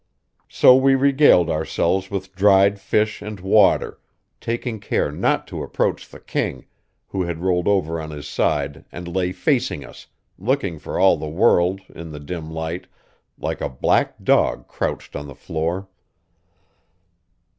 So we regaled ourselves with dried fish and water, taking care not to approach the king, who had rolled over on his side and lay facing us, looking for all the world, in the dim light, like a black dog crouched on the floor.